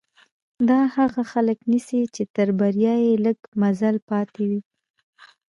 دا هغه خلک نيسي چې تر بريا يې لږ مزل پاتې وي.